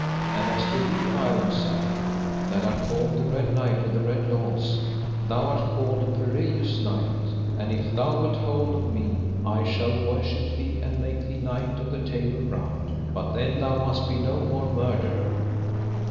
And as to thee, Ironside, that art called the Red Knight of the Red Launds, thou art called a perilous knight; and if thou wilt hold of me I shall worship thee and make thee knight of the Table Round; but then thou must be no more a murderer.